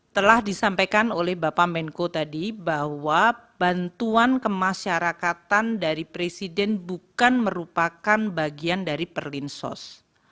telah disampaikan oleh bapak menko tadi bahwa bantuan kemasyarakatan dari presiden bukan merupakan bagian dari perlinsos